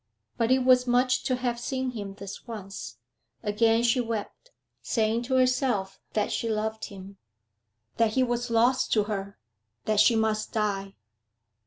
But it was much to have seen him this once. Again she wept, saying to herself that she loved him, that he was lost to her, that she must die.